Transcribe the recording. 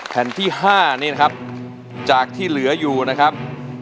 แผ่นที่๕นี่นะครับจากที่เหลืออยู่นะครับ